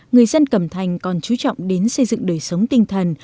người dân cẩm thành còn chú trọng đến xây dựng đời sống tinh thần